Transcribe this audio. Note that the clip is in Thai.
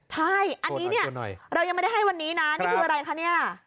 ใช่อันนี้เนี่ยเรายังไม่ได้ให้วันนี้นะนี่คืออะไรคะเนี่ย